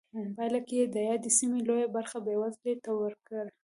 پایله کې یې د یادې سیمې لویه برخه بېوزلۍ ته ورکړه.